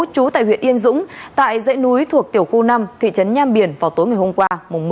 trú tại huyện yên dũng tại dãy núi thuộc tiểu khu năm thị trấn nham biển vào tối ngày hôm qua